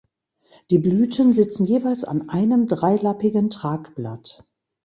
Die Blüten sitzen jeweils an einem dreilappigen Tragblatt.